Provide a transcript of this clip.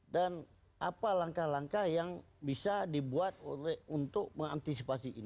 dan apa langkah langkah yang bisa dibuat untuk mengantisipasi ini